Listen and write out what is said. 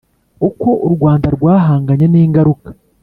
uko u rwanda rwahanganye n’ingaruka .